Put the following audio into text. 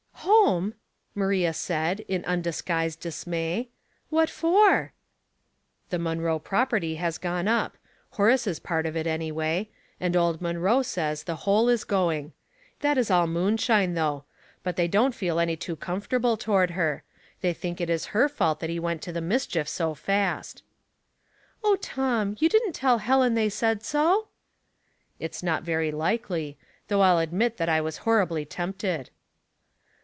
" Home !" Maria «aid, in undisguised dismay. "What for?" "The Munroe property has gone up — Horace's part of it, anyway; ani^ old Munroe says the whole is going. That is '.11 moonshine, though. But they don't feel any too comfortable toward her. They think it is her fault that he went to the mischief so fast." " O Tom ! you didn't tell Hf^en they said so?" " It's not very likely ; though I'll admit that 1 was horribly tempted."